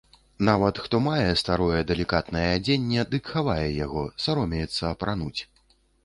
Нават хто мае старое далікатнае адзенне, дык хавае яго, саромеецца апрануць.